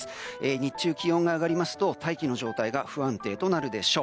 日中、気温が上がりますと大気の状態が不安定となるでしょう。